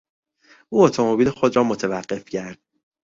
او اتومبیل خود را متوقف کرد.